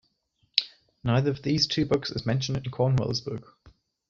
Neither of these two books is mentioned in Cornwell's book.